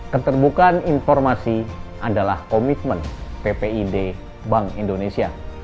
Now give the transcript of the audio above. keterbukaan informasi adalah komitmen ppid bank indonesia